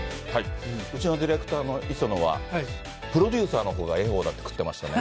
うちのディレクターの磯野はプロデューサーのほうが恵方だって食ってましたね。